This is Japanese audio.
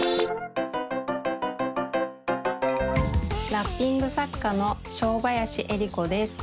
ラッピング作家の正林恵理子です。